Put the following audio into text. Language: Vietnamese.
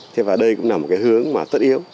thế và đây cũng là một hướng tất yếu